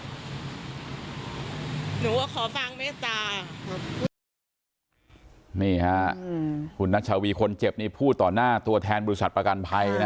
หนูก็ขอฟังเมตตานี่ฮะคุณนัชวีคนเจ็บนี่พูดต่อหน้าตัวแทนบริษัทประกันภัยนะ